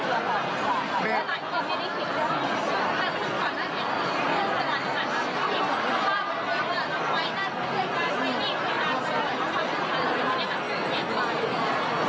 เพราะมันเป็นเรื่องของทุกที่เขาเขาก็ขอเสียไม่ต่อ